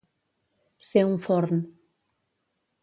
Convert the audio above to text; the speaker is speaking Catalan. Ser un forn.